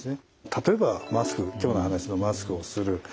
例えばマスク今日の話のマスクをする。